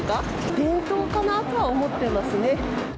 伝統かなとは思ってますね。